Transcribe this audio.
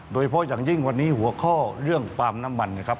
โดยเฉพาะอย่างยิ่งวันนี้หัวข้อเรื่องปาล์มน้ำมันนะครับ